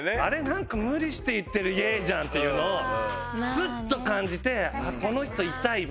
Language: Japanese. なんか無理して言ってる「イエーイ」じゃんっていうのをスッと感じてこの人イタいみたいな。